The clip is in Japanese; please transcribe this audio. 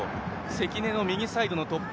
関根の右サイドの突破。